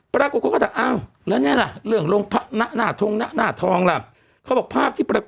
พระโกโกก็แบบอ้าวแล้วไงล่ะเรื่องลงหน้าทองก็บอกภาพที่ปรากฏ